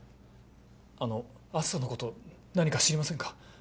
あの篤斗のこと何か知りませんか？